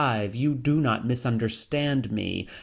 You do not misunderstand me.